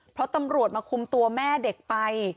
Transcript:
เพราะตำรวจมาคุมตัวแม่เด็กไป